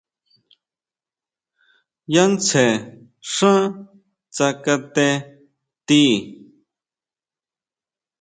Yá tsjen xá tsakate tii.